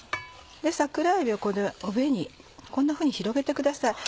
桜えびをこの上にこんなふうに広げてください。